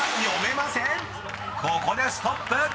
［ここでストップ！